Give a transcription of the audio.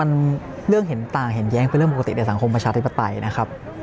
มันเรื่องเห็นต่างเห็นแย้งเป็นเรื่องปกติในสังคมประชาธิปไตยนะครับ